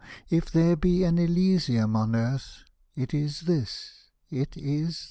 if there be an Elysium on earth, It is this, it is this.